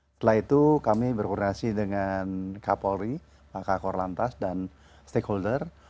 setelah itu kami berkoordinasi dengan kapolri pak korlantas dan stakeholder